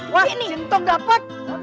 wah cintung dapat